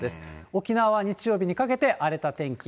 沖縄は日曜日にかけて荒れた天気。